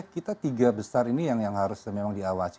kita tiga besar ini yang harus memang diawasi